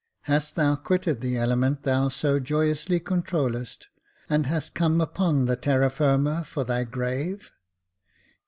Hast thou quitted the element thou so joyously controUedst, and hast come upon the terra firma for thy grave